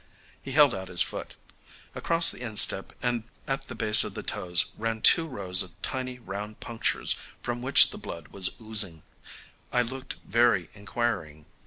He held out his foot. Across the instep and at the base of the toes ran two rows of tiny round punctures from which the blood was oozing. I looked very inquiring.